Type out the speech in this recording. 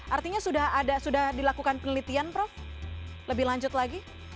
artinya sudah dilakukan penelitian prof lebih lanjut lagi